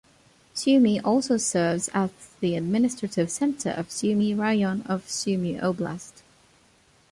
Sumy also serves as the administrative center of Sumy Raion of Sumy oblast.